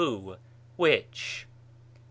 who? which? 2.